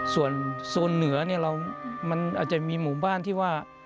ส่วนโซนเหนือมันอาจจะมีหมู่บ้านที่ว่า